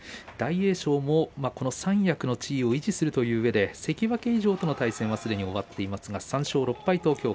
大栄翔も三役の地位を維持するうえで関脇以上との対戦はすべて終わっています